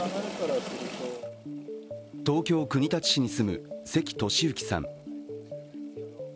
東京・国立市に住む関敏之さん。